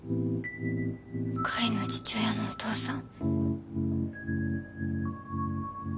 海の父親のお父さん